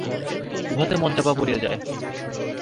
উহাতে মন চাপা পড়িয়া যায়।